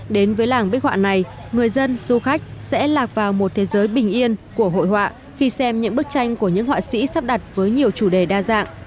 đến với làng bích họa này người dân du khách sẽ lạc vào một thế giới bình yên của hội họa khi xem những bức tranh của những họa sĩ sắp đặt với nhiều chủ đề đa dạng